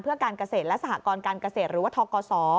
เพื่อการเกษตรและสหกรการเกษตรหรือว่าทกศ